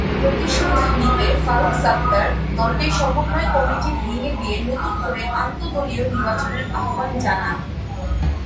প্রতিশোধ নিতে ফারুক সাত্তার দলটির সমন্বয় কমিটি ভেঙে দিয়ে নতুন করে আন্তঃ-দলীয় নির্বাচনের আহ্বান জানান।